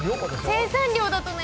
生産量だとね。